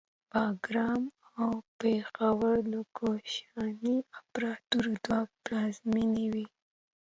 باګرام او پیښور د کوشاني امپراتورۍ دوه پلازمینې وې